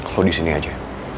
lo disini aja